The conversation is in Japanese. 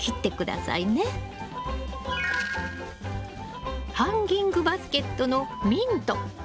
この子もハンギングバスケットのミント。